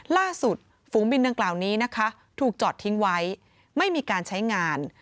ฝูงบินดังกล่าวนี้นะคะถูกจอดทิ้งไว้ไม่มีการใช้งาน